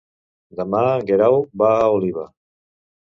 Demà en Guerau va a Oliva.